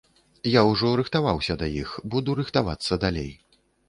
Я ўжо рыхтаваўся да іх, буду рыхтавацца далей.